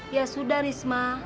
ya sudah rizma